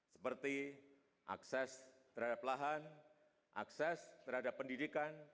seperti akses terhadap lahan akses terhadap pendidikan